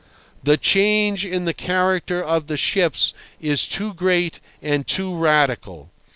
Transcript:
The change in the character of the ships is too great and too radical.